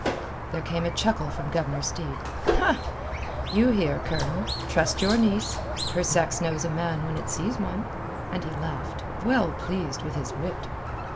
There came a chuckle from Governor Steed. "You hear, Colonel. Trust your niece. Her sex knows a man when it sees one." And he laughed, well pleased with his wit.